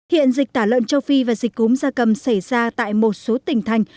hiện dịch tả lợn châu phi và dịch cúm da cầm xảy ra tại một số tỉnh thành